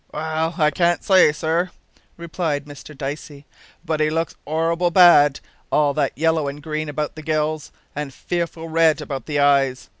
"Well, I can't say, sir," replied Mr Dicey, "but he looks 'orrible bad, all yellow and green about the gills, and fearful red round the eyes.